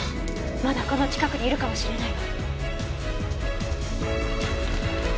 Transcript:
まだこの近くにいるかもしれないわ。